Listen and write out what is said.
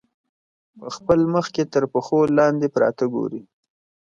په خپل مخ کې تر پښو لاندې پراته ګوري.